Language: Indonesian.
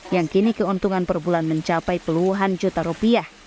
yang kini keuntungan per bulan mencapai puluhan juta rupiah